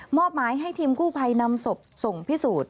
อบหมายให้ทีมกู้ภัยนำศพส่งพิสูจน์